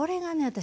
私